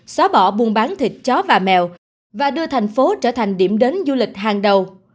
xóa bỏ buôn bán thịt chó và mèo và đưa thành phố trở thành điểm đến du lịch hàng đầu